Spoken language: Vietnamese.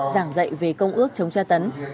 giảng dạy về công ước chống tra tấn